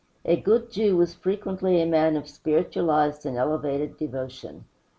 A good Jew was frequently a man of spiritualized and elevated devotion.